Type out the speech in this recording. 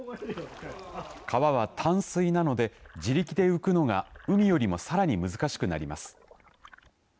川は淡水なので自力で浮くのが海よりもさらに難しくなります。